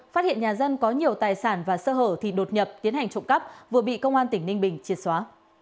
phát hiện nhà dân có nhiều tài sản và sơ hở thì đột nhập tiến hành trộm cắp vừa bị công an tỉnh ninh bình triệt xóa